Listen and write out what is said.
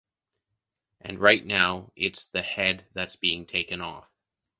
And right now, it's the head that's being taken off...